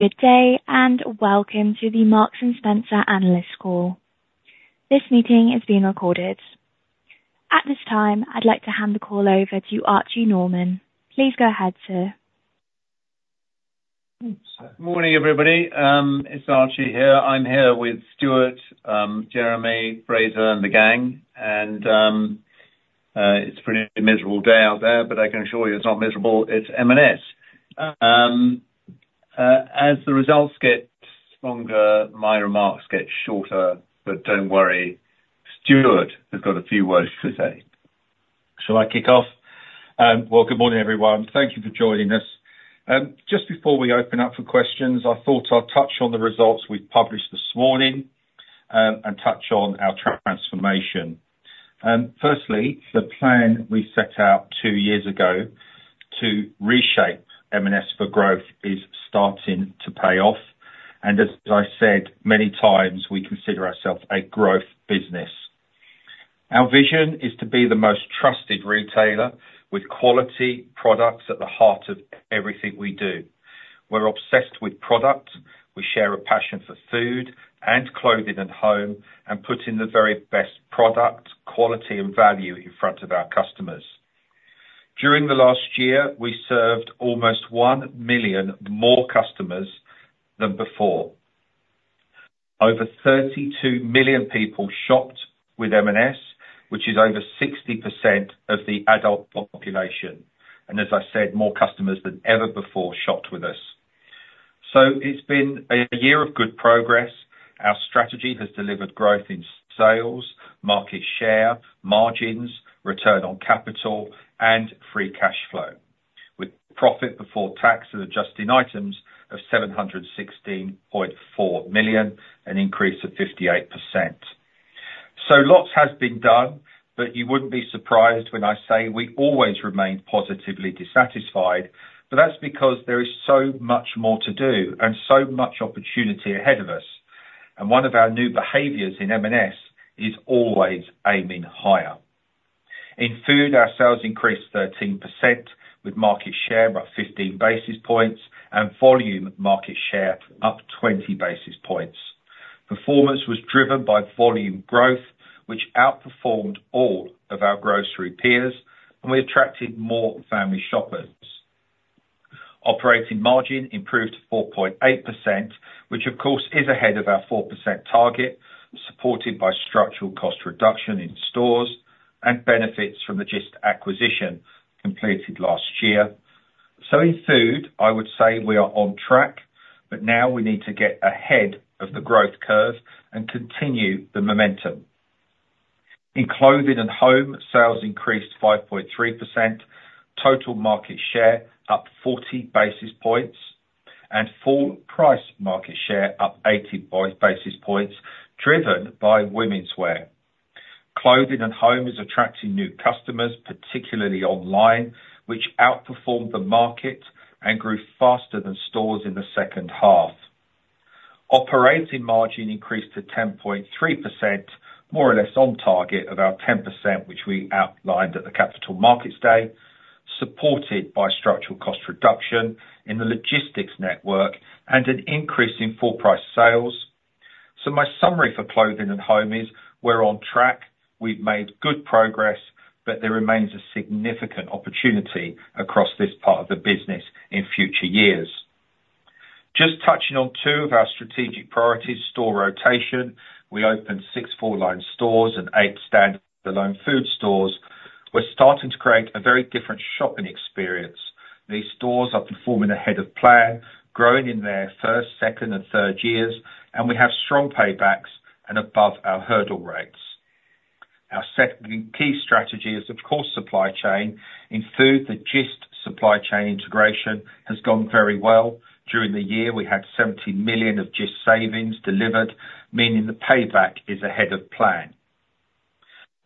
Good day, and welcome to the Marks & Spencer analyst call. This meeting is being recorded. At this time, I'd like to hand the call over to Archie Norman. Please go ahead, sir. Morning, everybody, it's Archie here. I'm here with Stuart, Jeremy, Fraser, and the gang, and it's a pretty miserable day out there, but I can assure you it's not miserable, it's M&S. As the results get stronger, my remarks get shorter, but don't worry, Stuart has got a few words to say. Shall I kick off? Well, good morning, everyone. Thank you for joining us. Just before we open up for questions, I thought I'd touch on the results we've published this morning, and touch on our transformation. Firstly, the plan we set out two years ago to reshape M&S for growth is starting to pay off, and as I said many times, we consider ourselves a growth business. Our vision is to be the most trusted retailer, with quality products at the heart of everything we do. We're obsessed with product. We share a passion for Food, and clothing, and home, and putting the very best product, quality, and value in front of our customers. During the last year, we served almost 1 million more customers than before. Over 32 million people shopped with M&S, which is over 60% of the adult population, and as I said, more customers than ever before shopped with us. It's been a year of good progress. Our strategy has delivered growth in sales, market share, margins, return on capital, and free cash flow, with profit before tax and adjusting items of 716.4 million, an increase of 58%. Lots has been done, but you wouldn't be surprised when I say we always remain positively dissatisfied, but that's because there is so much more to do and so much opportunity ahead of us, and one of our new behaviors in M&S is always aiming higher. In Food, our sales increased 13% with market share by 15 basis points and volume market share up 20 basis points. Performance was driven by volume growth, which outperformed all of our grocery peers, and we attracted more family shoppers. Operating margin improved to 4.8%, which of course is ahead of our 4% target, supported by structural cost reduction in stores, and benefits from the Gist acquisition completed last year. So in Food, I would say we are on track, but now we need to get ahead of the growth curve and continue the momentum. In Clothing & Home, sales increased 5.3%, total market share up 40 basis points, and full price market share up 80 basis points, driven by womenswear. Clothing & Home is attracting new customers, particularly online, which outperformed the market and grew faster than stores in the second half. Operating margin increased to 10.3%, more or less on target of our 10%, which we outlined at the Capital Markets Day, supported by structural cost reduction in the logistics network and an increase in full price sales. So my summary for Clothing & Home is we're on track, we've made good progress, but there remains a significant opportunity across this part of the business in future years. Just touching on two of our strategic priorities, store rotation. We opened 6 full-line stores and 8 stand-alone Food stores. We're starting to create a very different shopping experience. These stores are performing ahead of plan, growing in their first, second, and third years, and we have strong paybacks and above our hurdle rates. Our second key strategy is, of course, supply chain. In Food, the Gist supply chain integration has gone very well. During the year, we had 70 million of Gist savings delivered, meaning the payback is ahead of plan.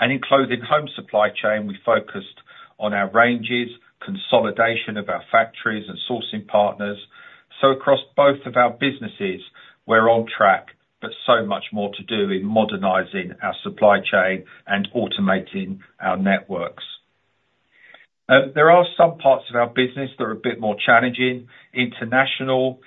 In Clothing & Home supply chain, we focused on our ranges, consolidation of our factories, and sourcing partners. Across both of our businesses, we're on track, but so much more to do in modernizing our supply chain and automating our networks. There are some parts of our business that are a bit more challenging. International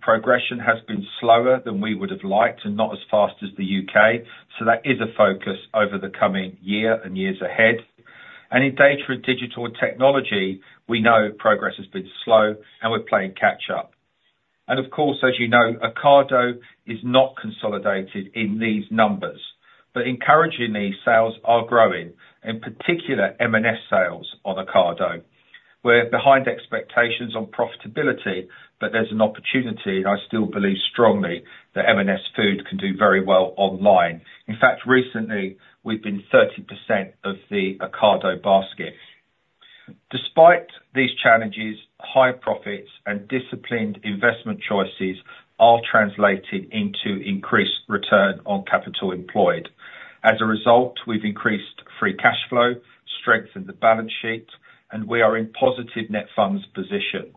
progression has been slower than we would have liked and not as fast as the UK, so that is a focus over the coming year and years ahead. In data and digital technology, we know progress has been slow, and we're playing catch up. Of course, as you know, Ocado is not consolidated in these numbers, but encouragingly, sales are growing, in particular M&S sales on Ocado. We're behind expectations on profitability, but there's an opportunity, and I still believe strongly that M&S Food can do very well online. In fact, recently, we've been 30% of the Ocado basket. Despite these challenges, high profits and disciplined investment choices are translated into increased return on capital employed. As a result, we've increased free cash flow, strengthened the balance sheet, and we are in positive net funds position.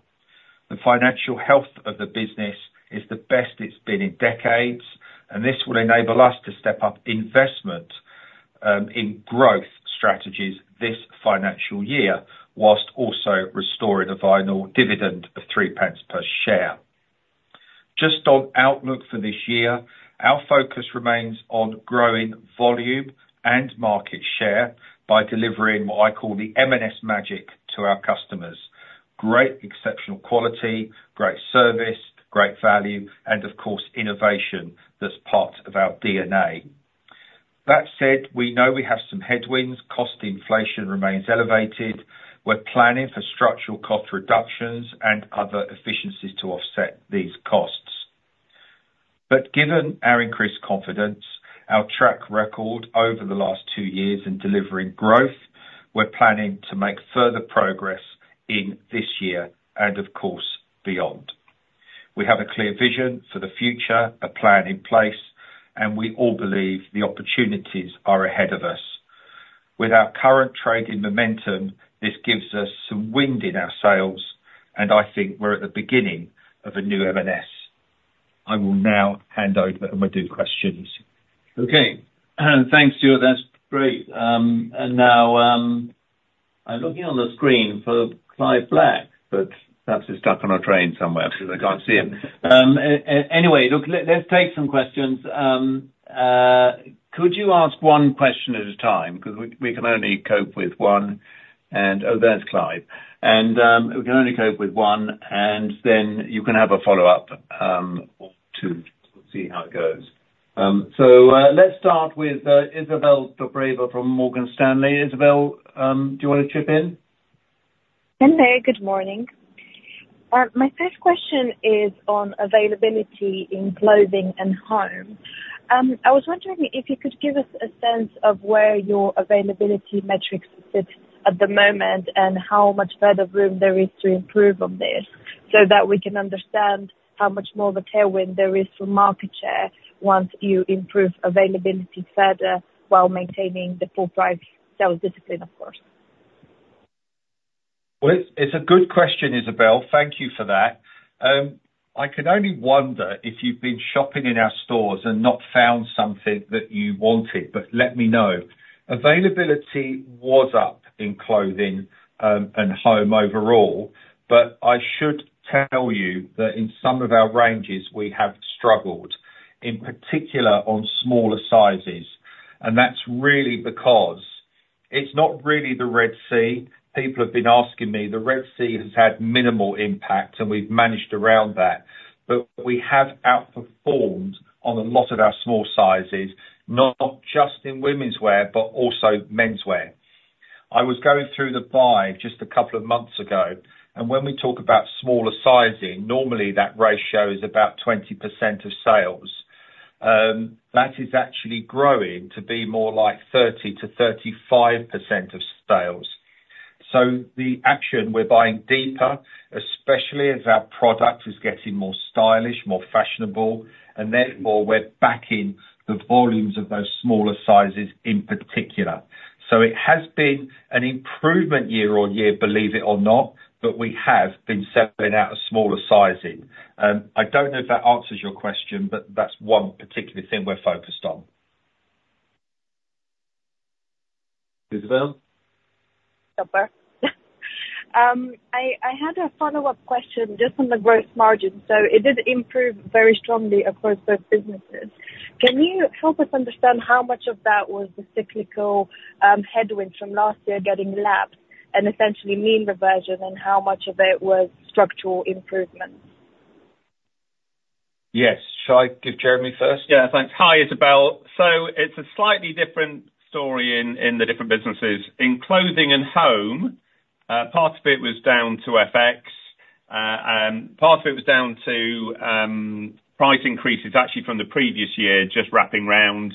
The financial health of the business is the best it's been in decades, and this will enable us to step up investment in growth strategies this financial year, whilst also restoring a final dividend of 0.03 per share. Just on outlook for this year, our focus remains on growing volume and market share by delivering what I call the M&S magic to our customers. Great exceptional quality, great service, great value, and of course, innovation that's part of our DNA. That said, we know we have some headwinds. Cost inflation remains elevated. We're planning for structural cost reductions and other efficiencies to offset these costs. But given our increased confidence, our track record over the last two years in delivering growth, we're planning to make further progress in this year and of course, beyond. We have a clear vision for the future, a plan in place, and we all believe the opportunities are ahead of us. With our current trading momentum, this gives us some wind in our sails, and I think we're at the beginning of a new M&S. I will now hand over and we'll do questions. Okay, thanks, Stuart. That's great. And now, I'm looking on the screen for Clive Black, but perhaps he's stuck on a train somewhere, because I can't see him. Anyway, look, let's take some questions. Could you ask one question at a time? Because we can only cope with one and... Oh, there's Clive. And we can only cope with one, and then you can have a follow-up, or two. We'll see how it goes. Let's start with Izabel Dobreva from Morgan Stanley. Izabel, do you want to chip in? Hello, good morning. My first question is on availability in Clothing & Home. I was wondering if you could give us a sense of where your availability metrics sit at the moment, and how much further room there is to improve on this, so that we can understand how much more of a tailwind there is for market share, once you improve availability further, while maintaining the full price sales discipline, of course. Well, it's a good question, Izabel, thank you for that. I can only wonder if you've been shopping in our stores and not found something that you wanted, but let me know. Availability was up in Clothing & Home overall, but I should tell you that in some of our ranges, we have struggled, in particular on smaller sizes. And that's really because it's not really the Red Sea. People have been asking me, the Red Sea has had minimal impact, and we've managed around that. But we have outperformed on a lot of our small sizes, not just in womenswear, but also menswear. I was going through the buy just a couple of months ago, and when we talk about smaller sizing, normally that ratio is about 20% of sales. That is actually growing to be more like 30%-35% of sales. So the action, we're buying deeper, especially as our product is getting more stylish, more fashionable, and therefore, we're backing the volumes of those smaller sizes in particular. So it has been an improvement year-on-year, believe it or not, but we have been selling out of smaller sizing. I don't know if that answers your question, but that's one particular thing we're focused on. Izabel? Okay. I had a follow-up question just on the gross margin. So it did improve very strongly across both businesses. Can you help us understand how much of that was the cyclical headwind from last year getting lapsed, and essentially mean reversion, and how much of it was structural improvement? Yes. Shall I give Jeremy first? Yeah, thanks. Hi, Izabel. So it's a slightly different story in the different businesses. In Clothing & Home, part of it was down to FX, part of it was down to price increases actually from the previous year, just wrapping around.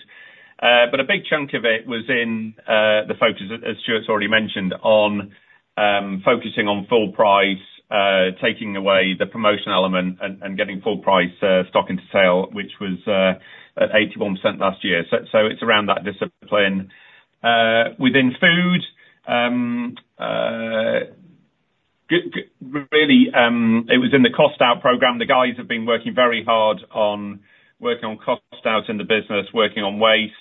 But a big chunk of it was in the focus, as Stuart's already mentioned, on focusing on full price, taking away the promotion element and getting full price stock into sale, which was at 81% last year. So it's around that discipline. Within Food, it was in the cost out program. The guys have been working very hard on working on costs out in the business, working on waste,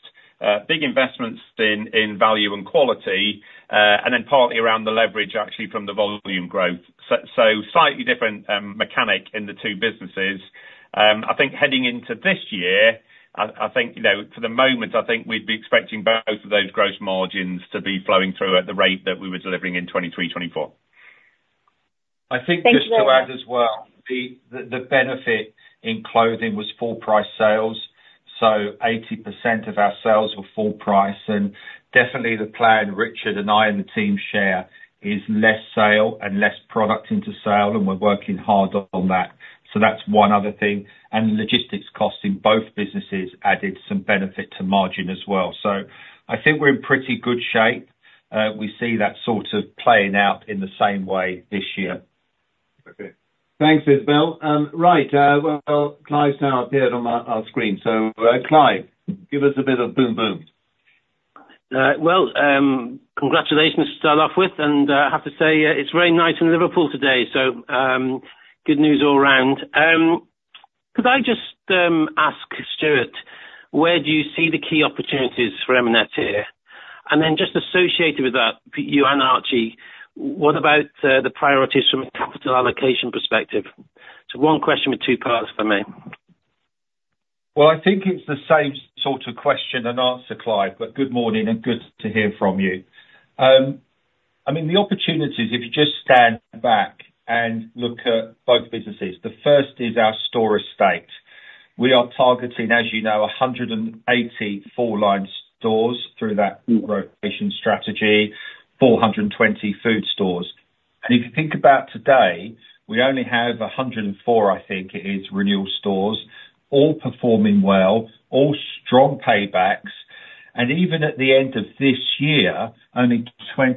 big investments in, in value and quality, and then partly around the leverage actually from the volume growth. So, so slightly different, mechanic in the two businesses. I think heading into this year, I think, you know, for the moment, I think we'd be expecting both of those gross margins to be flowing through at the rate that we were delivering in 2023, 2024. Thank you- I think just to add as well, the benefit in clothing was full price sales, so 80% of our sales were full price, and definitely the plan Richard, and I, and the team share, is less sale and less product into sale, and we're working hard on that. So that's one other thing, and logistics costs in both businesses added some benefit to margin as well. So I think we're in pretty good shape. We see that sort of playing out in the same way this year. Okay. Thanks, Izabel. Right, well, Clive's now appeared on my, our screen. So, Clive, give us a bit of boom boom. Well, congratulations to-... And, I have to say, it's very nice in Liverpool today, so, good news all around. Could I just ask Stuart, where do you see the key opportunities for M&S here? And then just associated with that, for you and Archie, what about the priorities from a capital allocation perspective? So one question with two parts for me. Well, I think it's the same sort of question and answer, Clive, but good morning and good to hear from you. I mean, the opportunities, if you just stand back and look at both businesses, the first is our store estate. We are targeting, as you know, 184 full-line stores through that rotation strategy, 420 Food stores. And if you think about today, we only have 104, I think it is, Renewal Stores, all performing well, all strong paybacks, and even at the end of this year, only 26%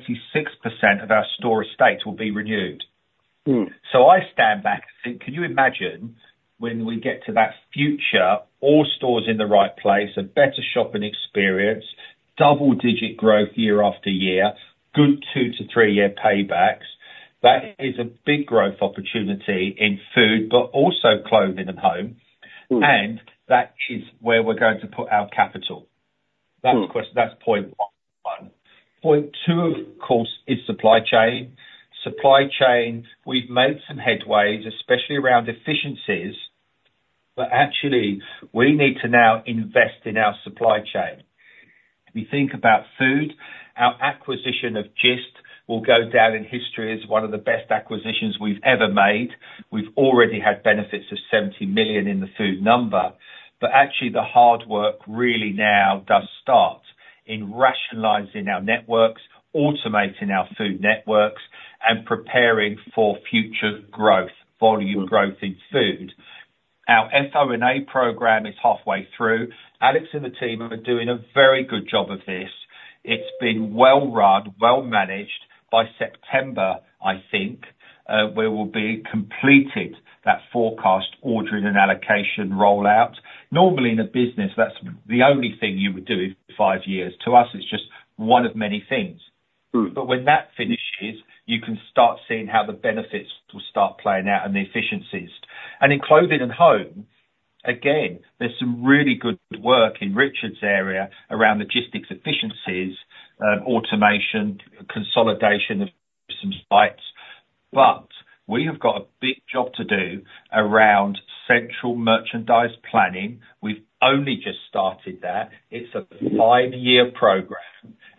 of our store estate will be renewed. So I stand back and think, can you imagine when we get to that future, all stores in the right place, a better shopping experience, double-digit growth year after year, good 2-3-year paybacks? That is a big growth opportunity in Food, but also Clothing & Home- And that is where we're going to put our capital. That's point one. Point two, of course, is supply chain. Supply chain, we've made some headway, especially around efficiencies, but actually we need to now invest in our supply chain. If you think about Food, our acquisition of Gist will go down in history as one of the best acquisitions we've ever made. We've already had benefits of 70 million in the Food number, but actually the hard work really now does start in rationalizing our networks, automating our Food networks, and preparing for future growth, volume growth in Food. Our F&A program is halfway through. Alex and the team are doing a very good job of this. It's been well run, well managed. By September, I think, we will be completed that forecast ordering and allocation rollout. Normally, in a business, that's the only thing you would do in five years. To us, it's just one of many things. But when that finishes, you can start seeing how the benefits will start playing out and the efficiencies. And in Clothing & Home, again, there's some really good work in Richard's area around logistics efficiencies, automation, consolidation of some sites, but we have got a big job to do around central merchandise planning. We've only just started that. It's a five-year program.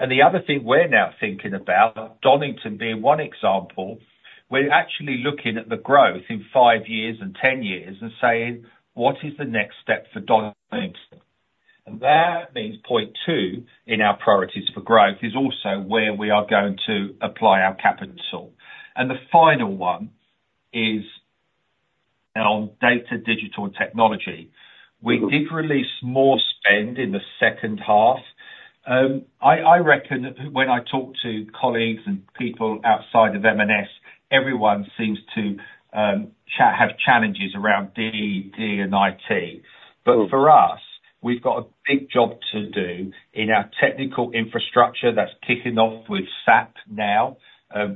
And the other thing we're now thinking about, Donington being one example, we're actually looking at the growth in five years and 10 years and saying: What is the next step for Donington? And that means point 2 in our priorities for growth is also where we are going to apply our capital. And the final one is on data, digital, and technology. We did release more spend in the second half. I reckon when I talk to colleagues and people outside of M&S, everyone seems to have challenges around D&D and IT. But for us, we've got a big job to do in our technical infrastructure that's kicking off with SAP now.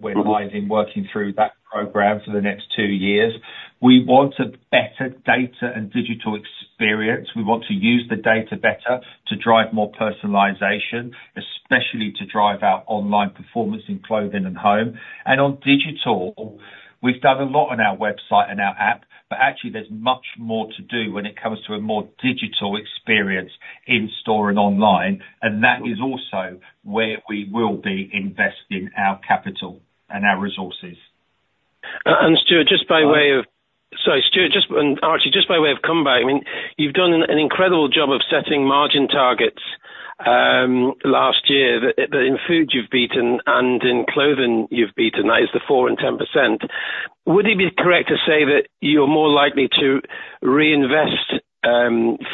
We're already working through that program for the next two years. We want a better data and digital experience. We want to use the data better to drive more personalization, especially to drive our online performance in Clothing & Home. And on digital, we've done a lot on our website and our app, but actually there's much more to do when it comes to a more digital experience in-store and online, and that is also where we will be investing our capital and our resources. Stuart, just by way of- Sorry, Stuart and Archie, just by way of comeback, I mean, you've done an incredible job of setting margin targets last year, that in Food you've beaten, and in clothing you've beaten, that is the 4% and 10%. Would it be correct to say that you're more likely to reinvest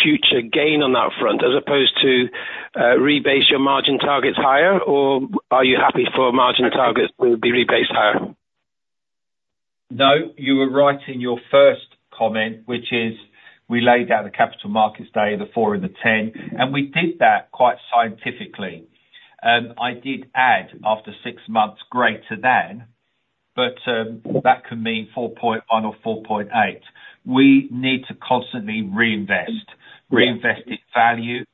future gain on that front, as opposed to rebase your margin targets higher? Or are you happy for margin targets to be rebased higher? No, you were right in your first comment, which is we laid out the Capital Markets Day, the 4 and the 10, and we did that quite scientifically. I did add, after 6 months, greater than, but, that can mean 4.1 or 4.8. We need to constantly reinvest. Reinvest in value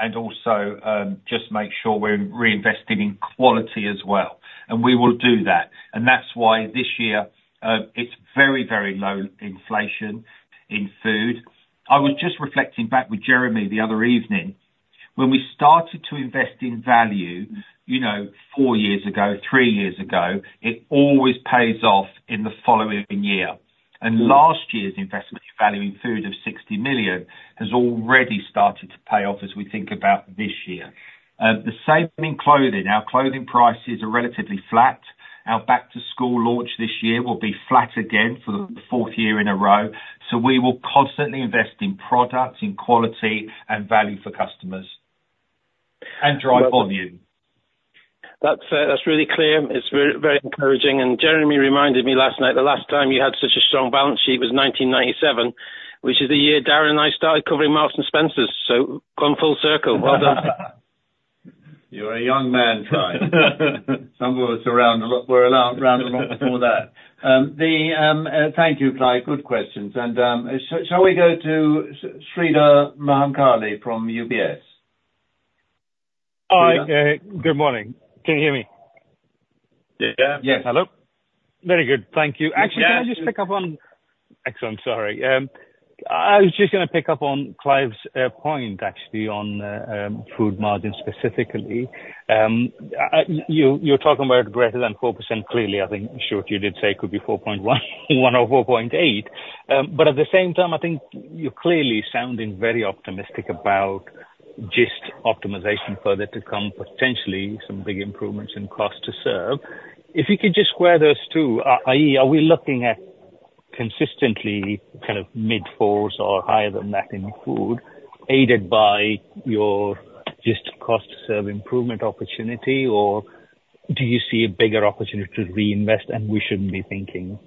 and also, just make sure we're reinvesting in quality as well, and we will do that. That's why this year, it's very, very low inflation in Food. I was just reflecting back with Jeremy the other evening, when we started to invest in value, you know, four years ago, three years ago, it always pays off in the following year. Mm. Last year's investment in value in Food of 60 million has already started to pay off as we think about this year. The same in clothing, our clothing prices are relatively flat. Our back-to-school launch this year will be flat again for the fourth year in a row. So we will constantly invest in products, in quality, and value for customers, and drive volume. That's, that's really clear. It's very encouraging, and Jeremy reminded me last night, the last time you had such a strong balance sheet was 1997.... which is the year Darren and I started covering Marks & Spencer's, so come full circle. Well done. You're a young man, Clive. Some of us were around a lot before that. Thank you, Clive. Good questions. So, shall we go to Sreedhar Mahamkali from UBS? Hi. Good morning. Can you hear me? Yeah. Yes. Hello? Very good. Thank you. Actually, I'm sorry. I was just gonna pick up on Clive's point, actually, on Food margin, specifically. You're talking about greater than 4%, clearly, I think, sure, you did say could be 4.1 to 4.8. But at the same time, I think you're clearly sounding very optimistic about Gist optimization further to come, potentially some big improvements in cost to serve. If you could just square those two, i.e., are we looking at consistently kind of mid-4 or higher than that in Food, aided by your GIST cost serve improvement opportunity? Or do you see a bigger opportunity to reinvest, and we shouldn't be thinking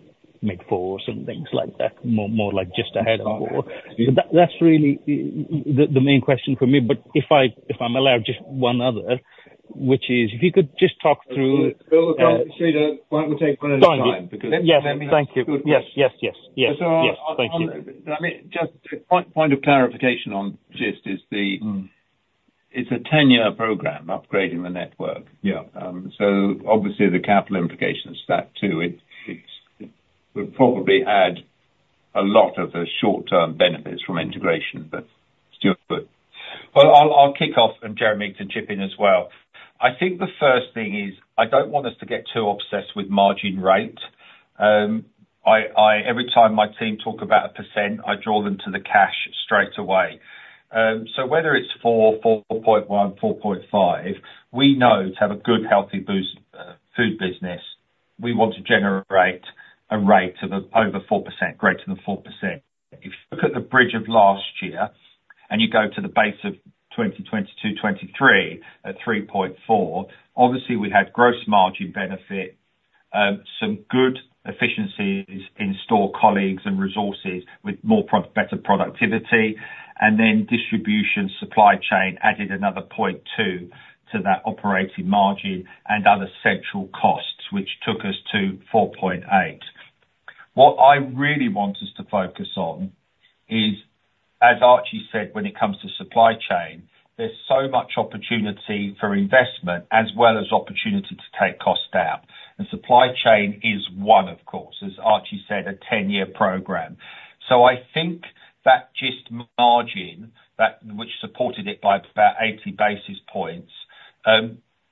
mid-4s and things like that, more, more like just ahead of 4? That, that's really the main question for me, but if I'm allowed just one other, which is, if you could just talk through- Sreedhar, why don't we take one at a time? Fine. Yes. Thank you. Good question. Yes, yes, yes, yes. Yes. Thank you. I mean, just a point of clarification on Gist is the- It's a 10-year program, upgrading the network. Yeah. So obviously, the capital implication is that, too, it would probably add a lot of the short-term benefits from integration, but Stuart- Well, I'll kick off, and Jeremy can chip in as well. I think the first thing is, I don't want us to get too obsessed with margin rate. Every time my team talk about a percent, I draw them to the cash straight away. So whether it's 4, 4.1, 4.5, we know to have a good, healthy boost, Food business, we want to generate a rate of over 4%, greater than 4%. If you look at the bridge of last year, and you go to the base of 2022-2023, at 3.4, obviously, we had gross margin benefit, some good efficiencies in store colleagues and resources with better productivity, and then distribution, supply chain added another 0.2 to that operating margin and other central costs, which took us to 4.8. What I really want us to focus on is, as Archie said, when it comes to supply chain, there's so much opportunity for investment as well as opportunity to take costs down, and supply chain is one, of course, as Archie said, a 10-year program. So I think that Gist margin, that, which supported it by about 80 basis points,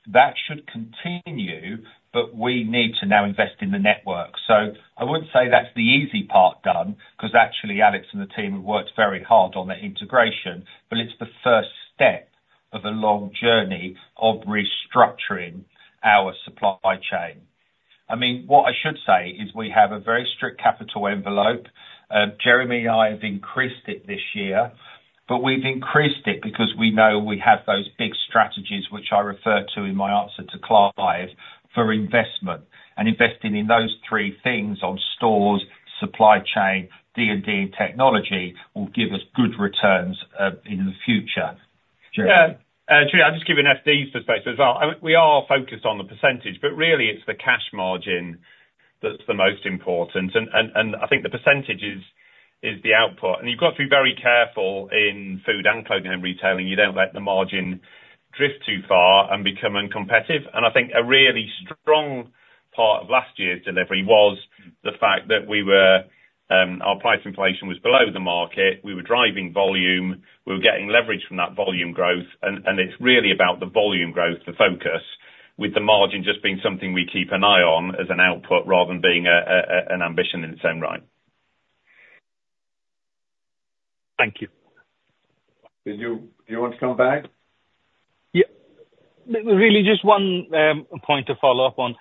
that should continue, but we need to now invest in the network. So I wouldn't say that's the easy part done, 'cause actually, Alex and the team have worked very hard on the integration, but it's the first step of a long journey of restructuring our supply chain. I mean, what I should say is we have a very strict capital envelope. Jeremy and I have increased it this year, but we've increased it because we know we have those big strategies, which I referred to in my answer to Clive, for investment. And investing in those three things on stores, supply chain, D&D and technology, will give us good returns in the future. Jeremy? Yeah, Sreedhar, I'll just give you an FD perspective as well. I mean, we are focused on the percentage, but really it's the cash margin that's the most important, and I think the percentage is the output. And you've got to be very careful in Food and clothing and retailing, you don't let the margin drift too far and become uncompetitive. And I think a really strong part of last year's delivery was the fact that we were, our price inflation was below the market, we were driving volume, we were getting leverage from that volume growth, and it's really about the volume growth, the focus, with the margin just being something we keep an eye on as an output rather than being an ambition in its own right. Thank you. Do you want to come back? Yeah. Really, just one point to follow up on.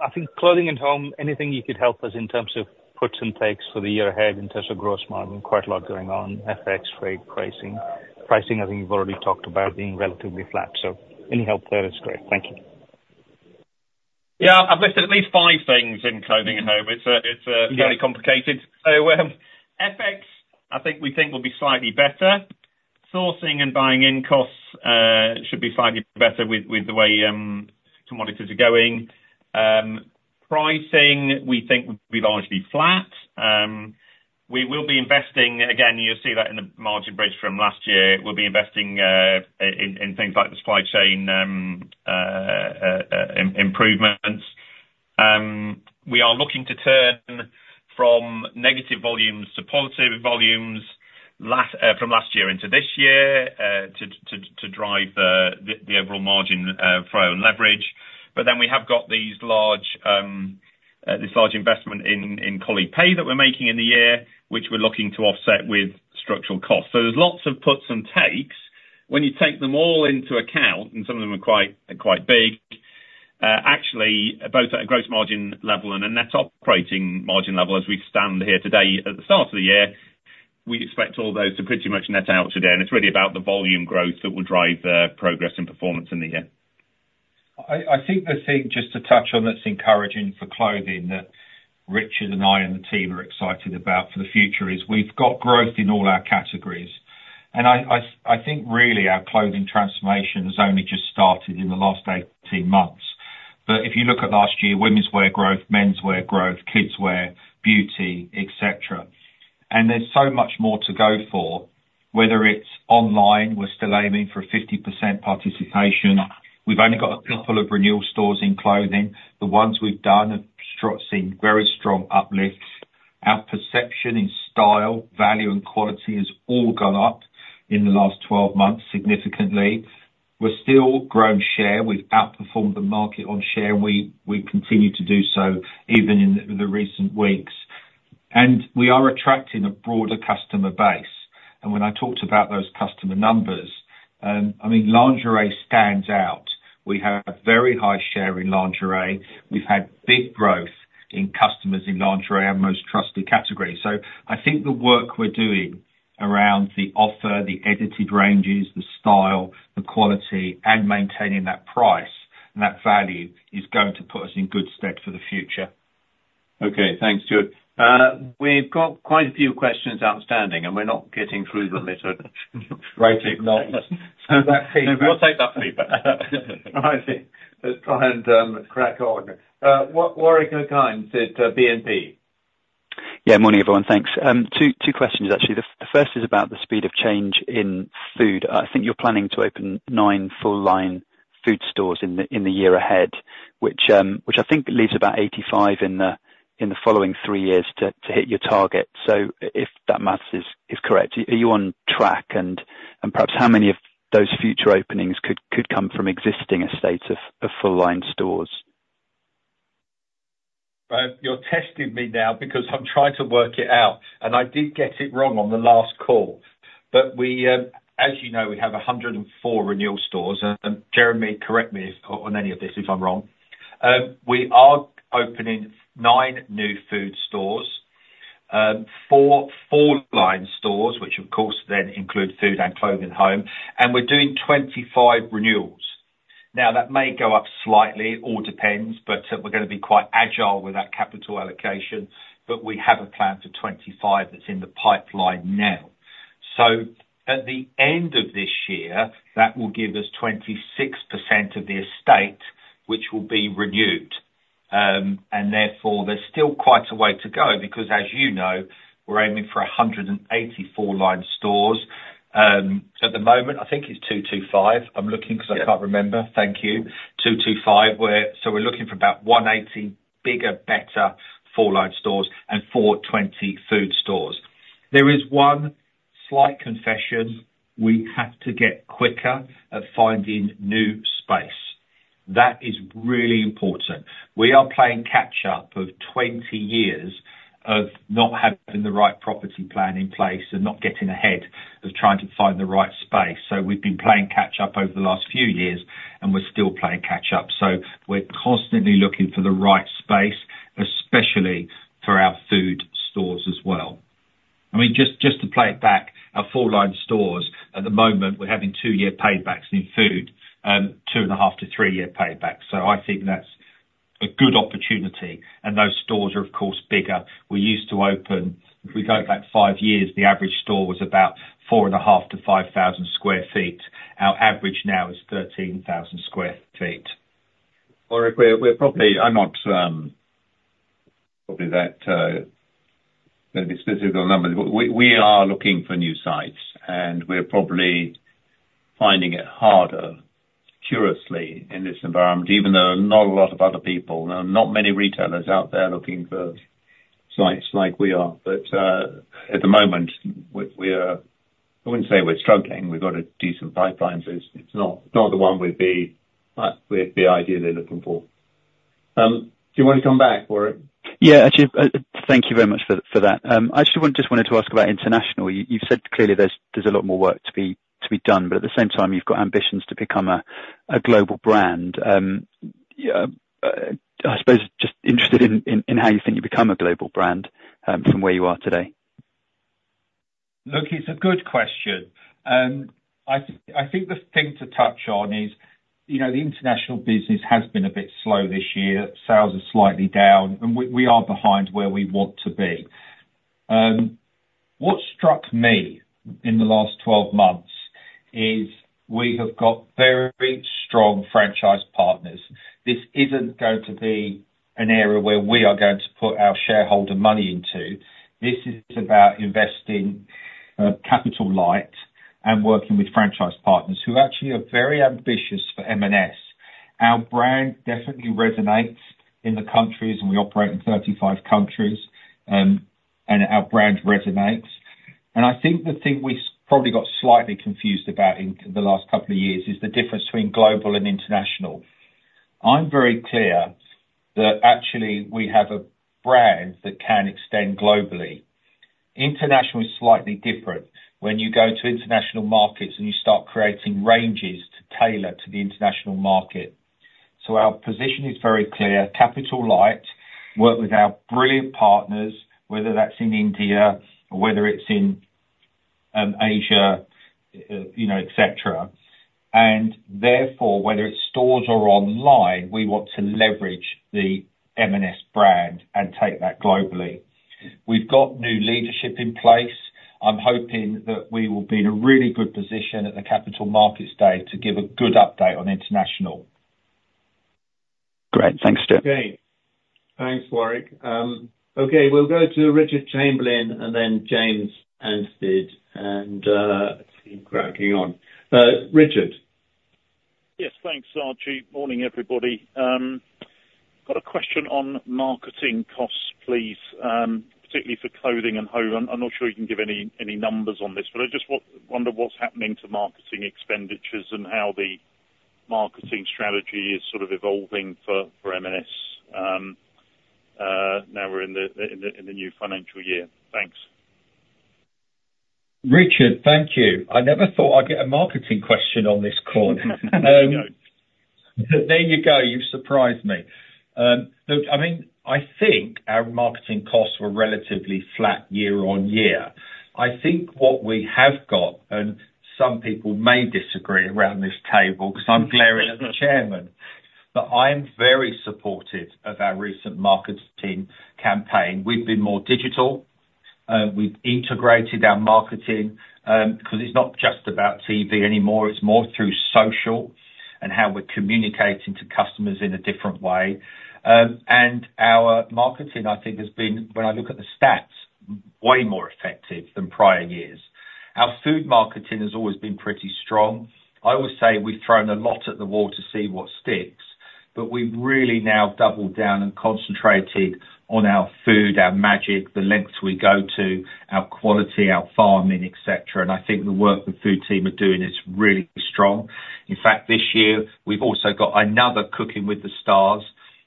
I think Clothing & Home, anything you could help us in terms of puts and takes for the year ahead in terms of gross margin, quite a lot going on, FX rate, pricing. Pricing, I think you've already talked about being relatively flat, so any help there is great. Thank you. Yeah, I've listed at least five things in Clothing & Home. It's fairly complicated. So, FX, I think we think will be slightly better. Sourcing and buying in costs should be slightly better with the way some monitors are going. Pricing, we think will be largely flat. We will be investing. Again, you'll see that in the margin bridge from last year, we'll be investing in things like the supply chain improvements. We are looking to turn from negative volumes to positive volumes from last year into this year to drive the overall margin for our own leverage. But then we have got this large investment in colleague pay that we're making in the year, which we're looking to offset with structural costs. So there's lots of puts and takes. When you take them all into account, and some of them are quite big, actually, both at a gross margin level and a net operating margin level, as we stand here today, at the start of the year, we expect all those to pretty much net out today, and it's really about the volume growth that will drive progress and performance in the year.... I think the thing just to touch on that's encouraging for clothing, that Richard and I, and the team are excited about for the future, is we've got growth in all our categories. And I think really our clothing transformation has only just started in the last 18 months. But if you look at last year, womenswear growth, menswear growth, kidswear, beauty, et cetera, and there's so much more to go for, whether it's online, we're still aiming for 50% participation. We've only got a handful of Renewal Stores in clothing. The ones we've done have seen very strong uplifts. Our perception in style, value, and quality, has all gone up in the last 12 months, significantly. We're still growing share. We've outperformed the market on share, and we continue to do so, even in the recent weeks. We are attracting a broader customer base. When I talked about those customer numbers, I mean, lingerie stands out. We have a very high share in lingerie. We've had big growth in customers in lingerie, our most trusted category. I think the work we're doing around the offer, the edited ranges, the style, the quality, and maintaining that price, and that value, is going to put us in good stead for the future. Okay, thanks, Stuart. We've got quite a few questions outstanding, and we're not getting through them at a great rate. Acknowledge. So that feedback- We'll take that feedback. Right. Let's try and crack on. Warwick Okines at BNP. Yeah, morning, everyone. Thanks. 2 questions, actually. The first is about the speed of change in Food. I think you're planning to open 9 full-line Food stores in the year ahead, which I think leaves about 85 in the following 3 years, to hit your target. So if that math is correct, are you on track? And perhaps how many of those future openings could come from existing estates of full-line stores? You're testing me now, because I'm trying to work it out, and I did get it wrong on the last call. But we, as you know, we have 104 Renewal Stores, and Jeremy, correct me if, on any of this, if I'm wrong. We are opening 9 new Food stores, 4 full-line stores, which of course then include Food and Clothing & Home, and we're doing 25 renewals. Now, that may go up slightly, it all depends, but we're gonna be quite agile with that capital allocation, but we have a plan for 25, that's in the pipeline now. So at the end of this year, that will give us 26% of the estate, which will be renewed. and therefore, there's still quite a way to go, because as you know, we're aiming for 180 full-line stores. At the moment, I think it's 225. I'm looking, 'cause I can't remember. Yeah. Thank you. 225, we're... So we're looking for about 180, bigger, better full-line stores, and 420 Food stores. There is one slight confession, we have to get quicker at finding new space. That is really important. We are playing catch-up of 20 years, of not having the right property plan in place, and not getting ahead of trying to find the right space. So we've been playing catch-up over the last few years, and we're still playing catch-up, so we're constantly looking for the right space, especially for our Food stores as well. I mean, just, just to play it back, our full-line stores, at the moment, we're having 2-year paybacks in Food, two and a half to three year paybacks. So I think that's a good opportunity, and those stores are, of course, bigger. We used to open, if we go back 5 years, the average store was about 4.5-5,000 sq ft. Our average now is 13,000 sq ft. Warwick, we're probably not gonna be specific on numbers, but we are looking for new sites, and we're probably finding it harder, curiously, in this environment, even though there are not a lot of other people, there are not many retailers out there looking for sites like we are. But at the moment, I wouldn't say we're struggling, we've got a decent pipeline, so it's not the one we'd be ideally looking for. Do you want to come back, Warwick? Yeah, actually, thank you very much for that. I actually just wanted to ask about International. You've said clearly there's a lot more work to be done, but at the same time, you've got ambitions to become a global brand. I suppose just interested in how you think you become a global brand from where you are today? Look, it's a good question. I think the thing to touch on is, you know, the International business has been a bit slow this year. Sales are slightly down, and we are behind where we want to be. What struck me in the last 12 months is we have got very strong franchise partners. This isn't going to be an area where we are going to put our shareholder money into. This is about investing capital light, and working with franchise partners, who actually are very ambitious for M&S. Our brand definitely resonates in the countries, and we operate in 35 countries, and our brand resonates. And I think the thing we probably got slightly confused about in the last couple of years is the difference between global and International. I'm very clear that actually, we have a brand that can extend globally. International is slightly different, when you go to International markets, and you start creating ranges to tailor to the International market. So our position is very clear, capital light, work with our brilliant partners, whether that's in India, or whether it's in Asia, you know, et cetera. And therefore, whether it's stores or online, we want to leverage the M&S brand and take that globally. We've got new leadership in place. I'm hoping that we will be in a really good position at the Capital Markets Day to give a good update on International. Great. Thanks, Stuart. Okay. Thanks, Warwick. Okay, we'll go to Richard Chamberlain, and then James Anstead, and keep cracking on. Richard? Yes, thanks, Archie. Morning, everybody. Got a question on marketing costs, please, particularly for Clothing & Home. I'm not sure you can give any numbers on this, but I just wonder what's happening to marketing expenditures and how the marketing strategy is sort of evolving for M&S, now we're in the new financial year. Thanks. Richard, thank you. I never thought I'd get a marketing question on this call. But there you go, you've surprised me. Look, I mean, I think our marketing costs were relatively flat year-on-year. I think what we have got, and some people may disagree around this table, 'cause I'm glaring at the chairman, but I am very supportive of our recent marketing campaign. We've been more digital, we've integrated our marketing, 'cause it's not just about TV anymore, it's more through social and how we're communicating to customers in a different way. And our marketing, I think, has been, when I look at the stats, way more effective than prior years. Our Food marketing has always been pretty strong. I would say we've thrown a lot at the wall to see what sticks, but we've really now doubled down and concentrated on our Food, our magic, the lengths we go to, our quality, our farming, et cetera, and I think the work the Food team are doing is really strong. In fact, this year, we've also got another Cooking with the Stars,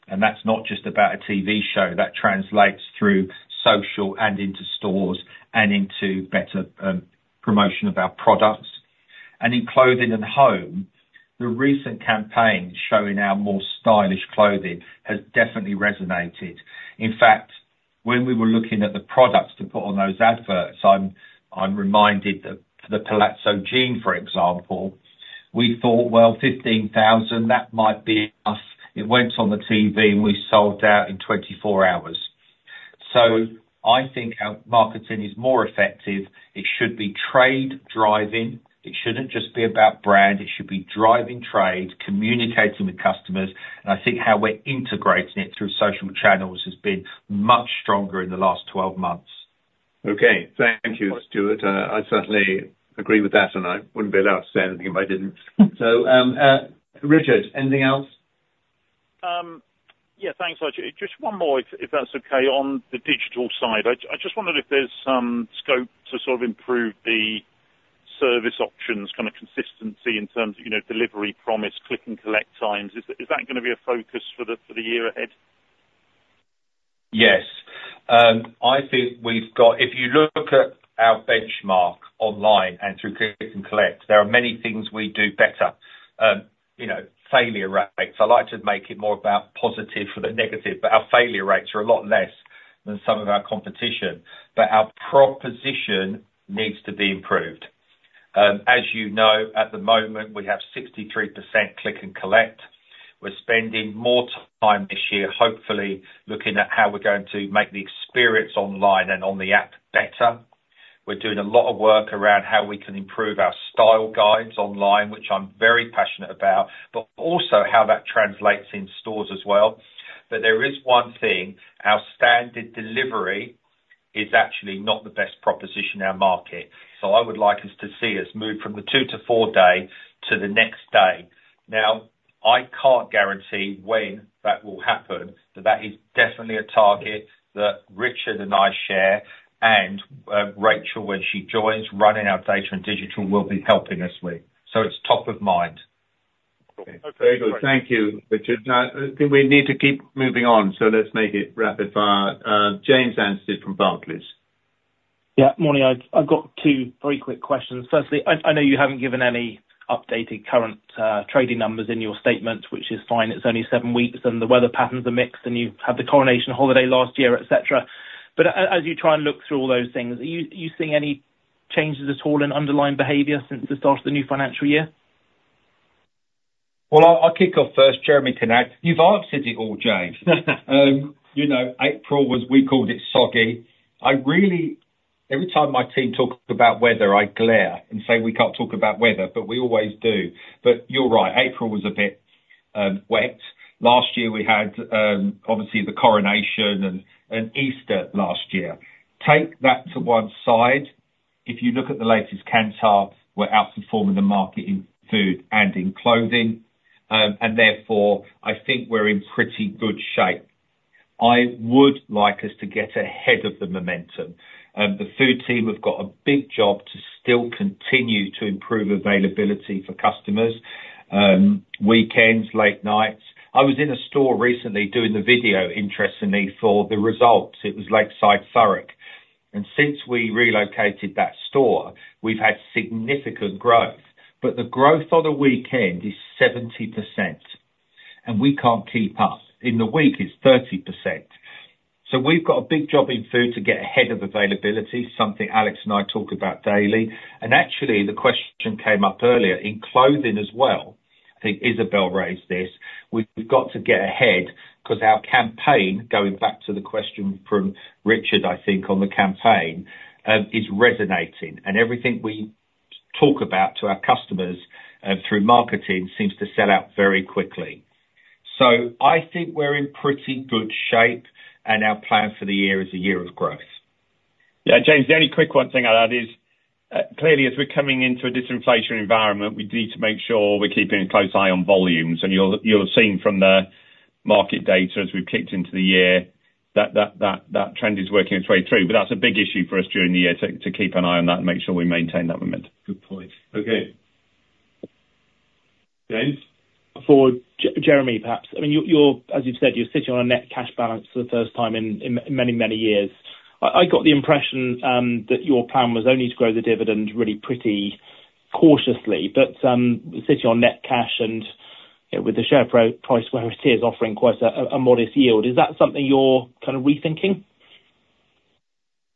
and that's not just about a TV show. That translates through social and into stores, and into better promotion of our products. And in Clothing & Home, the recent campaign showing our more stylish clothing has definitely resonated. In fact, when we were looking at the products to put on those adverts, I'm reminded of the Palazzo Jean, for example. We thought, well, 15,000, that might be enough. It went on the TV, and we sold out in 24 hours. I think our marketing is more effective. It should be trade driving. It shouldn't just be about brand, it should be driving trade, communicating with customers, and I think how we're integrating it through social channels has been much stronger in the last 12 months. Okay, thank you, Stuart. I certainly agree with that, and I wouldn't be allowed to say anything if I didn't. So, Richard, anything else? Yeah. Thanks, Archie. Just one more, if that's okay. On the digital side, I just wondered if there's some scope to sort of improve the service options, kind of consistency in terms of, you know, delivery, promise, Click & Collect times. Is that gonna be a focus for the year ahead? Yes. I think we've got... If you look at our benchmark online and through Click & Collect, there are many things we do better. You know, failure rates, I like to make it more about positive than negative, but our failure rates are a lot less than some of our competition. But our proposition needs to be improved. As you know, at the moment, we have 63% Click & Collect. We're spending more time this year, hopefully looking at how we're going to make the experience online and on the app better. We're doing a lot of work around how we can improve our style guides online, which I'm very passionate about, but also how that translates in stores as well. But there is one thing, our standard delivery is actually not the best proposition in our market, so I would like us to see us move from the 2- to 4-day to the next day. Now, I can't guarantee when that will happen, but that is definitely a target that Richard and I share, and Rachel, when she joins, running our data and digital, will be helping us with. So it's top of mind. Okay. Very good. Thank you, Richard. I think we need to keep moving on, so let's make it rapid fire. James Anstead from Barclays. Yeah, morning. I've got two very quick questions. Firstly, I know you haven't given any updated current trading numbers in your statement, which is fine. It's only seven weeks, and the weather patterns are mixed, and you had the Coronation holiday last year, et cetera. But as you try and look through all those things, are you seeing any changes at all in underlying behavior since the start of the new financial year? Well, I'll kick off first. Jeremy can add. You've answered it all, James. You know, April was, we called it soggy. I really every time my team talks about weather, I glare and say, "We can't talk about weather," but we always do. But you're right, April was a bit wet. Last year we had obviously the Coronation and Easter last year. Take that to one side. If you look at the latest Kantar, we're outperforming the market in Food and in clothing and therefore, I think we're in pretty good shape. I would like us to get ahead of the momentum. The Food team have got a big job to still continue to improve availability for customers, weekends, late nights. I was in a store recently doing the video, interestingly, for the results. It was Lakeside, Thurrock, and since we relocated that store, we've had significant growth, but the growth on a weekend is 70% and we can't keep up. In the week, it's 30%. So we've got a big job in Food to get ahead of availability, something Alex and I talk about daily. And actually, the question came up earlier in clothing as well, I think Izabel raised this. We've got to get ahead, 'cause our campaign, going back to the question from Richard, I think, on the campaign, is resonating. And everything we talk about to our customers, through marketing, seems to sell out very quickly. So I think we're in pretty good shape, and our plan for the year is a year of growth. Yeah, James, the only quick one thing I'd add is, clearly, as we're coming into a disinflation environment, we need to make sure we're keeping a close eye on volumes. And you'll have seen from the market data, as we've kicked into the year, that trend is working its way through, but that's a big issue for us during the year, to keep an eye on that and make sure we maintain that momentum. Good point. Okay. James? For Jeremy, perhaps. I mean, you're, as you've said, you're sitting on a net cash balance for the first time in many, many years. I got the impression that your plan was only to grow the dividend really pretty cautiously, but sitting on net cash and, you know, with the share price where it is, offering quite a modest yield, is that something you're kind of rethinking?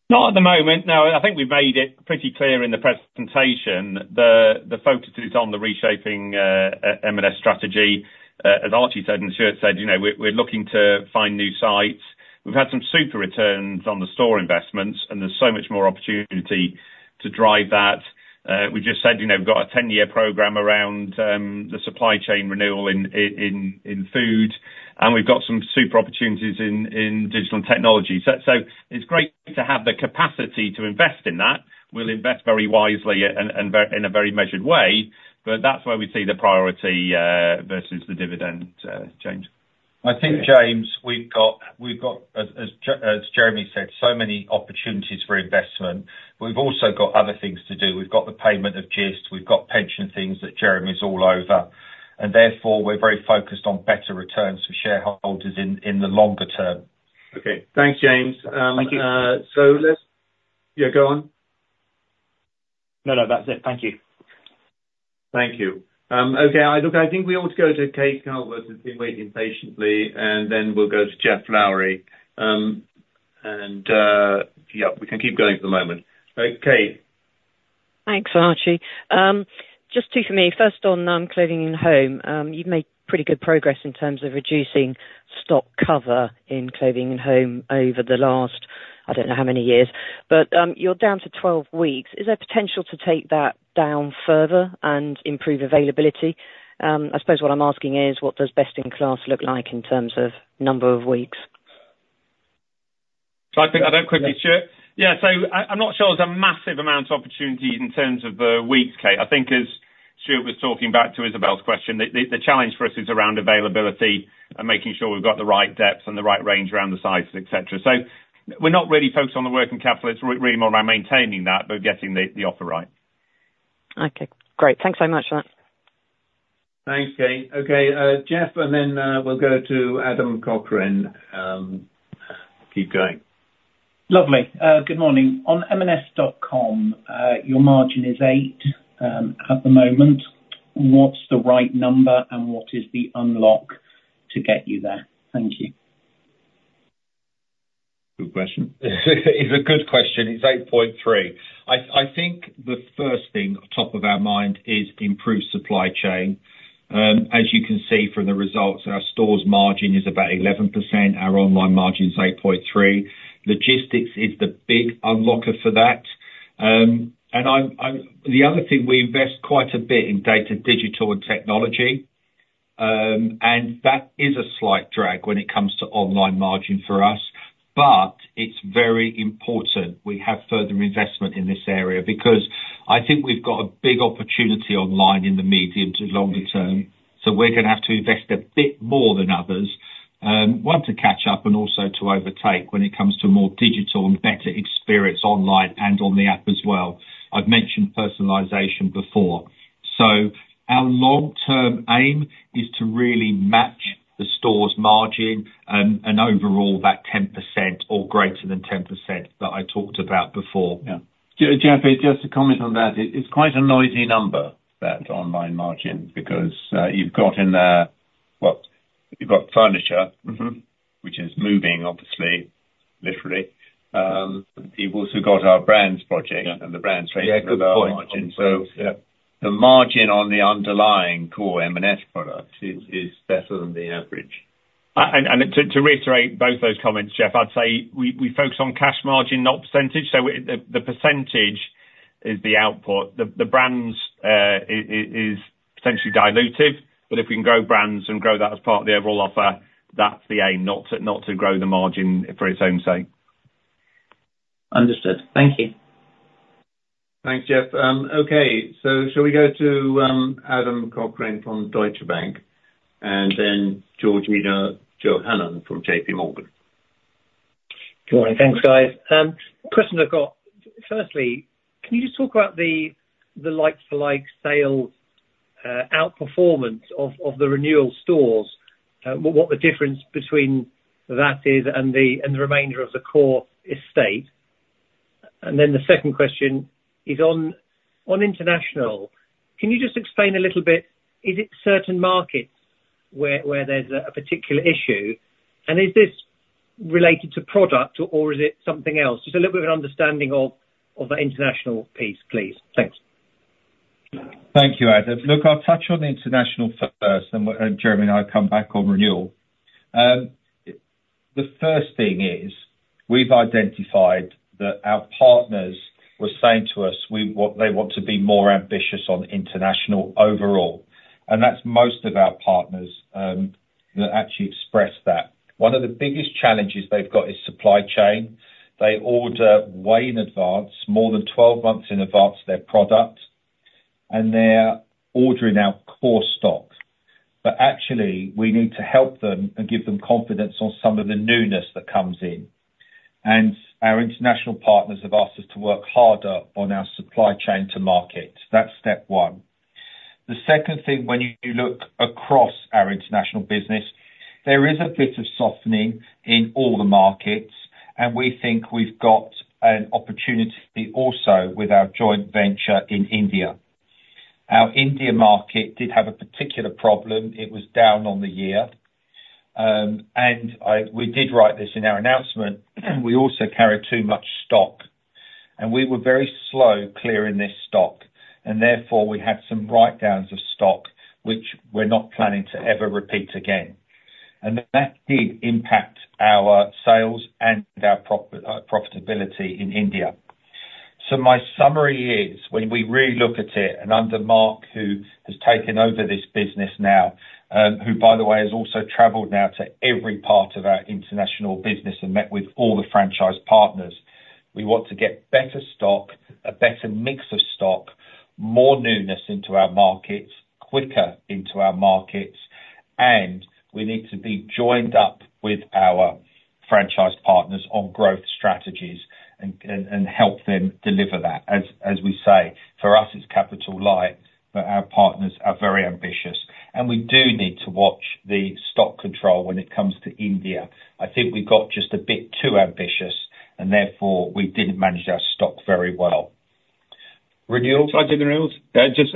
Not at the moment, no. I think we've made it pretty clear in the presentation, the focus is on the reshaping, M&S strategy. As Archie said, and Stuart said, you know, we're looking to find new sites. We've had some super returns on the store investments, and there's so much more opportunity to drive that. We just said, you know, we've got a 10-year program around the supply chain renewal in Food, and we've got some super opportunities in digital and technology. So, it's great to have the capacity to invest in that. We'll invest very wisely and in a very measured way, but that's where we see the priority versus the dividend, James. I think, James, we've got, as Jeremy said, so many opportunities for investment. We've also got other things to do. We've got the payment of Gist, we've got pension things that Jeremy's all over, and therefore, we're very focused on better returns for shareholders in the longer term. Okay. Thanks, James. Thank you. So let's... Yeah, go on. No, no, that's it. Thank you. Thank you. Okay, look, I think we ought to go to Kate Calvert, who's been waiting patiently, and then we'll go to Geoff Lowery. And, yeah, we can keep going for the moment. Okay, Kate. Thanks, Archie. Just two for me. First, on, Clothing & Home. You've made pretty good progress in terms of reducing stock cover in Clothing & Home over the last, I don't know how many years, but, you're down to 12 weeks. Is there potential to take that down further and improve availability? I suppose what I'm asking is, what does best in class look like in terms of number of weeks? So I think I'll quickly, Stuart? Yeah, so I, I'm not sure there's a massive amount of opportunity in terms of weeks, Kate. I think as Stuart was talking back to Izabel's question, the challenge for us is around availability and making sure we've got the right depth and the right range around the sizes, et cetera. So we're not really focused on the working capital. It's really more about maintaining that, but getting the offer right. Okay, great. Thanks so much for that. Thanks, Kate. Okay, Geoff, and then, we'll go to Adam Cochrane, keep going. Lovely. Good morning. On M&S.com, your margin is eight, at the moment. What's the right number? And what is the unlock to get you there? Thank you. Good question. It's a good question. It's 8.3. I think the first thing top of our mind is improved supply chain. As you can see from the results, our stores margin is about 11%, our online margin is 8.3. Logistics is the big unlocker for that. The other thing, we invest quite a bit in data, digital and technology, and that is a slight drag when it comes to online margin for us, but it's very important we have further investment in this area, because I think we've got a big opportunity online in the medium to longer term, so we're gonna have to invest a bit more than others. One, to catch up, and also to overtake when it comes to more digital and better experience online and on the app as well. I've mentioned personalization before. So our long-term aim is to really match the stores' margin, and overall, that 10% or greater than 10% that I talked about before. Yeah. Jeff, just to comment on that, it, it's quite a noisy number, that online margin, because, you've got in there, well, you've got furniture which is moving, obviously, literally. You've also got our brands project- Yeah. and the brands raising our margin- Yeah, good point. The margin on the underlying core M&S products is better than the average. To reiterate both those comments, Jeff, I'd say we focus on cash margin, not percentage, so the percentage is the output. The brands is potentially dilutive, but if we can grow brands and grow that as part of the overall offer, that's the aim, not to grow the margin for its own sake. Understood. Thank you. Thanks, Geoff. Okay, so shall we go to Adam Cochrane from Deutsche Bank, and then Georgina Johanan from J.P. Morgan? Good morning. Thanks, guys. Question I've got, firstly, can you just talk about the like-for-like sales outperformance of the Renewal Stores? What the difference between that is and the remainder of the core estate? And then the second question is on International, can you just explain a little bit, is it certain markets where there's a particular issue? And is this related to product or is it something else? Just a little bit of an understanding of the International piece, please. Thanks. Thank you, Adam. Look, I'll touch on International first, and Jeremy and I come back on renewal. The first thing is, we've identified that our partners were saying to us, we want, they want to be more ambitious on International overall, and that's most of our partners that actually expressed that. One of the biggest challenges they've got is supply chain. They order way in advance, more than 12 months in advance, their product, and they're ordering our core stock. But actually, we need to help them and give them confidence on some of the newness that comes in. And our International partners have asked us to work harder on our supply chain to market. That's step one. The second thing, when you look across our International business, there is a bit of softening in all the markets, and we think we've got an opportunity also with our joint venture in India. Our India market did have a particular problem. It was down on the year. And we did write this in our announcement. We also carried too much stock, and we were very slow clearing this stock, and therefore, we had some write-downs of stock, which we're not planning to ever repeat again. And that did impact our sales and our profitability in India. So my summary is, when we really look at it, and under Mark, who has taken over this business now, who, by the way, has also traveled now to every part of our International business and met with all the franchise partners, we want to get better stock, a better mix of stock, more newness into our markets, quicker into our markets, and we need to be joined up with our franchise partners on growth strategies and help them deliver that. As we say, for us, it's capital light, but our partners are very ambitious, and we do need to watch the stock control when it comes to India. I think we got just a bit too ambitious, and therefore, we didn't manage our stock very well. Renewal? Should I do the renewals? Just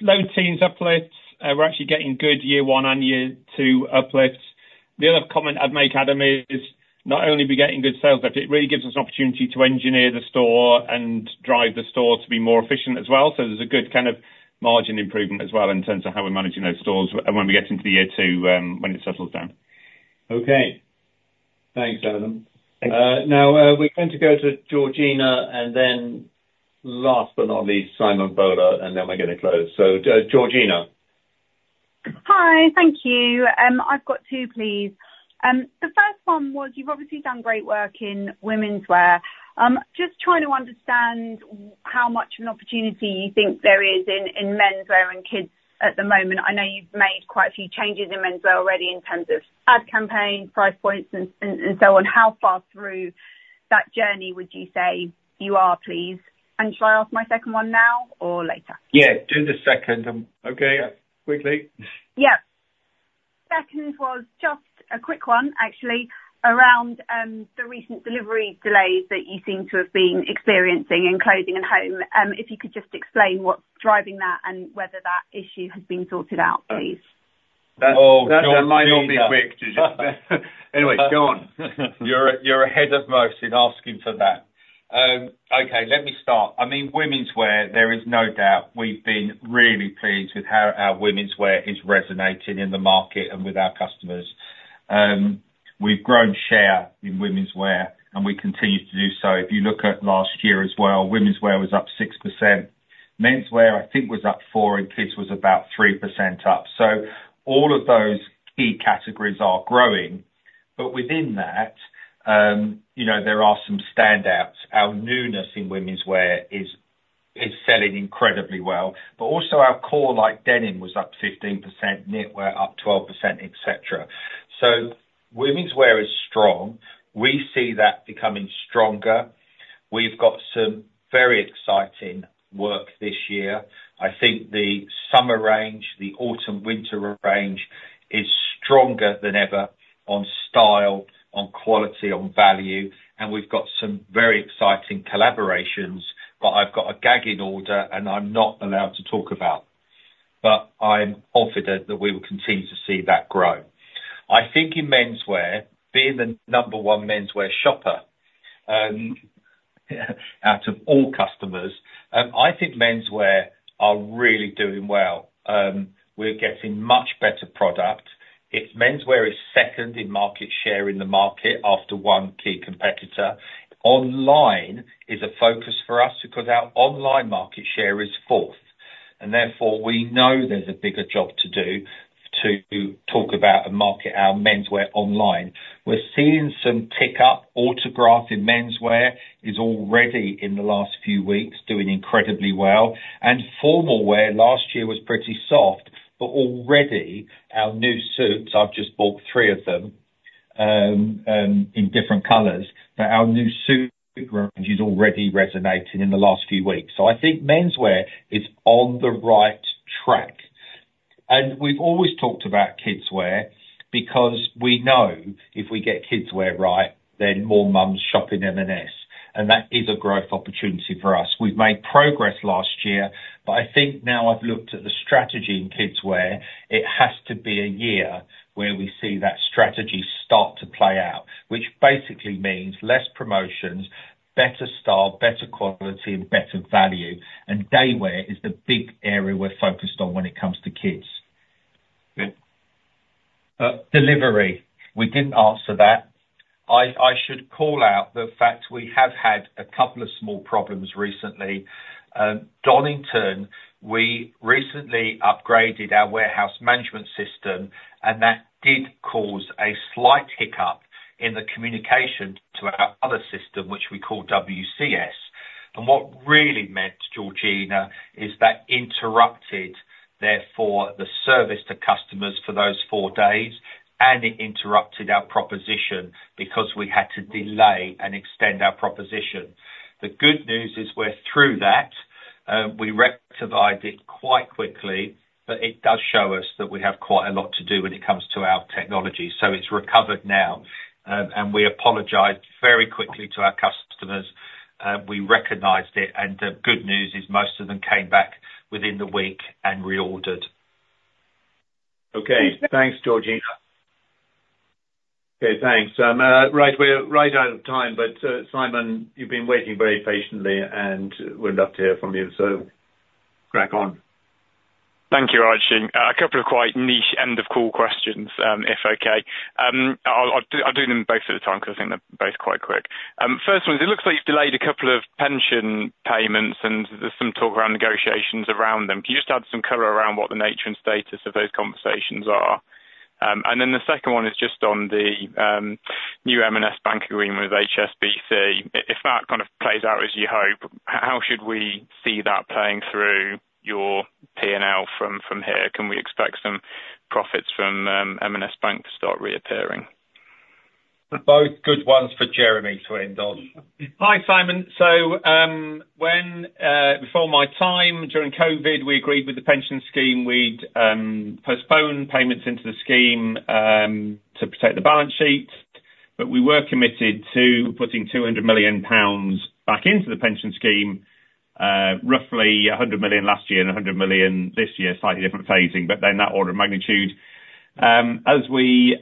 low teens uplifts. We're actually getting good year one and year two uplifts. The other comment I'd make, Adam, is not only are we getting good sales, but it really gives us an opportunity to engineer the store and drive the store to be more efficient as well. So there's a good kind of margin improvement as well in terms of how we're managing those stores and when we get into the year two, when it settles down. Okay. Thanks, Adam. Thank you. Now, we're going to go to Georgina and then last but not least, Simon Bowler, and then we're gonna close. So, Georgina. Hi, thank you. I've got two, please. The first one was, you've obviously done great work in womenswear. Just trying to understand how much of an opportunity you think there is in menswear and kids at the moment. I know you've made quite a few changes in menswear already, in terms of ad campaign, price points, and, and, and so on. How far through that journey would you say you are, please? And should I ask my second one now or later? Yeah, do the second, okay, quickly. Yeah. Second was just a quick one, actually, around the recent delivery delays that you seem to have been experiencing in Clothing & Home. If you could just explain what's driving that and whether that issue has been sorted out, please? Oh, quick. Anyway, go on. You're ahead of most in asking for that. Okay, let me start. I mean, womenswear, there is no doubt, we've been really pleased with how our womenswear is resonating in the market and with our customers. We've grown share in womenswear, and we continue to do so. If you look at last year as well, womenswear was up 6%. Menswear, I think, was up 4, and kids was about 3% up. So all of those key categories are growing, but within that, you know, there are some standouts. Our newness in womenswear is selling incredibly well, but also our core like denim was up 15%, knitwear up 12%, et cetera. So womenswear is strong. We see that becoming stronger. We've got some very exciting work this year. I think the summer range, the autumn/winter range, is stronger than ever on style, on quality, on value, and we've got some very exciting collaborations, but I've got a gagging order, and I'm not allowed to talk about. But I'm confident that we will continue to see that grow. I think in menswear, being the number one menswear shopper, out of all customers, I think menswear are really doing well. We're getting much better product. Menswear is second in market share in the market after one key competitor. Online is a focus for us because our online market share is fourth, and therefore, we know there's a bigger job to do to talk about and market our menswear online. We're seeing some tick up. Autograph in menswear is already, in the last few weeks, doing incredibly well, and formal wear last year was pretty soft, but already, our new suits, I've just bought three of them, in different colors, but our new suit range is already resonating in the last few weeks. So I think menswear is on the right track. We've always talked about kidswear, because we know if we get kidswear right, then more moms shop in M&S, and that is a growth opportunity for us. We've made progress last year, but I think now I've looked at the strategy in kidswear, it has to be a year where we see that strategy start to play out, which basically means less promotions, better style, better quality, and better value. Daywear is the big area we're focused on when it comes to kids. Good. Delivery. We didn't answer that. I should call out the fact we have had a couple of small problems recently. Donington, we recently upgraded our warehouse management system, and that did cause a slight hiccup in the communication to our other system, which we call WCS. And what really meant, Georgina, is that interrupted, therefore, the service to customers for those four days, and it interrupted our proposition because we had to delay and extend our proposition. The good news is we're through that. We rectified it quite quickly, but it does show us that we have quite a lot to do when it comes to our technology. So it's recovered now. And we apologized very quickly to our customers. We recognized it, and the good news is most of them came back within the week and reordered. Okay. Thanks, Georgina. Okay, thanks. Right, we're right out of time, but Simon, you've been waiting very patiently, and we'd love to hear from you, so crack on. Thank you, Rajiv. A couple of quite niche end of call questions, if okay. I'll do them both at the time, because I think they're both quite quick. First one is, it looks like you've delayed a couple of pension payments, and there's some talk around negotiations around them. Can you just add some color around what the nature and status of those conversations are? And then the second one is just on the new M&S Bank agreement with HSBC. If that kind of plays out as you hope, how should we see that playing through your P&L from here? Can we expect some profits from M&S Bank to start reappearing? Both good ones for Jeremy to end on. Hi, Simon. So, when, before my time, during COVID, we agreed with the pension scheme, we'd postpone payments into the scheme to protect the balance sheet, but we were committed to putting 200 million pounds back into the pension scheme, roughly 100 million last year and 100 million this year, slightly different phasing, but they're in that order of magnitude. As we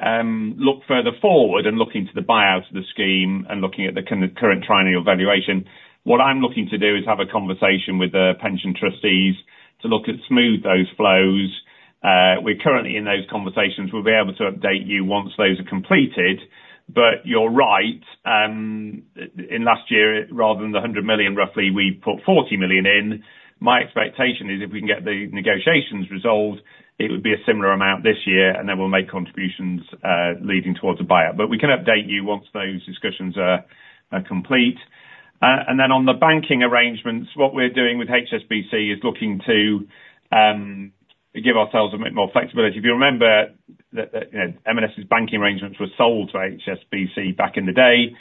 look further forward and look into the buyout of the scheme and looking at the kind of current triennial valuation, what I'm looking to do is have a conversation with the pension trustees to look at smooth those flows. We're currently in those conversations. We'll be able to update you once those are completed. But you're right, in last year, rather than the 100 million, roughly, we put 40 million in. My expectation is if we can get the negotiations resolved, it would be a similar amount this year, and then we'll make contributions leading towards a buyout. But we can update you once those discussions are complete. And then on the banking arrangements, what we're doing with HSBC is looking to give ourselves a bit more flexibility. If you remember that the, you know, M&S's banking arrangements were sold to HSBC back in the day,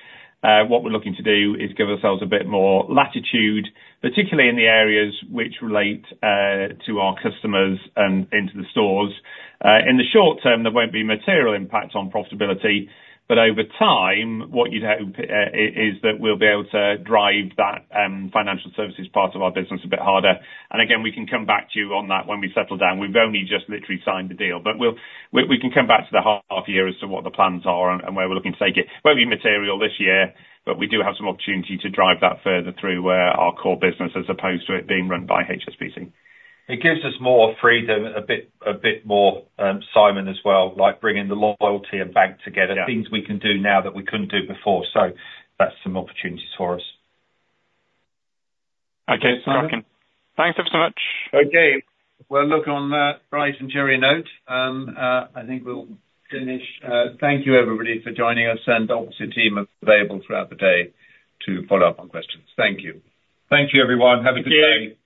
what we're looking to do is give ourselves a bit more latitude, particularly in the areas which relate to our customers and into the stores. In the short term, there won't be material impact on profitability, but over time, what you'd hope is that we'll be able to drive that financial services part of our business a bit harder. And again, we can come back to you on that when we settle down. We've only just literally signed the deal, but we can come back to the half year as to what the plans are and where we're looking to take it. Won't be material this year, but we do have some opportunity to drive that further through our core business, as opposed to it being run by HSBC. It gives us more freedom, a bit, a bit more, Simon, as well, like bringing the loyalty and bank together. Yeah. Things we can do now that we couldn't do before, so that's some opportunities for us. Okay, Simon. Thanks ever so much. Okay. Well, look, on a bright and cheery note, I think we'll finish. Thank you, everybody, for joining us, and the officer team are available throughout the day to follow up on questions. Thank you. Thank you, everyone. Have a good day.